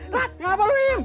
lihat ngapain lu im